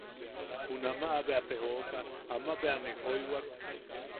Junamaʼa bea te jooka ama bea ne joiwak.